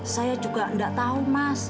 saya juga tidak tahu mas